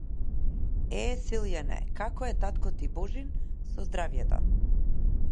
Е, Силјане, како е татко ти Божин со здравјето?